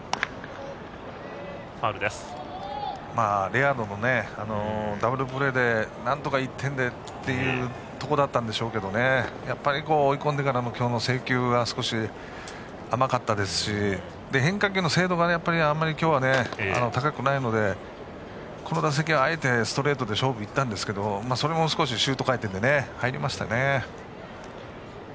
レアードもダブルプレーでなんとか１点でというところだったんでしょうが追い込んでからの今日の制球は少し甘かったですし、変化球の精度があまり今日は高くないので今の打席は、あえてストレートで勝負にいったんですけどそれも少しシュート回転で入りましたね。